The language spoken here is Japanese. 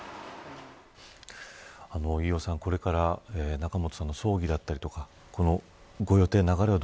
飯尾さん、これから仲本さんの葬儀だったりとかご予定、流れは